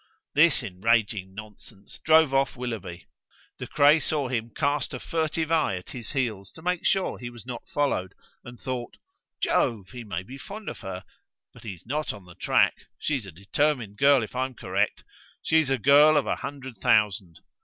This enraging nonsense drove off Willoughby. De Craye saw him cast a furtive eye at his heels to make sure he was not followed, and thought, "Jove! he may be fond of her. But he's not on the track. She's a determined girl, if I'm correct. She's a girl of a hundred thousand.